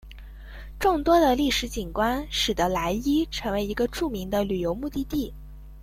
众多的历史景观使得莱伊成为一个着名的旅游目的地。